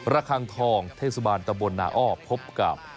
ระคังทองเทศบาลตะบลนาอ้อพบกับ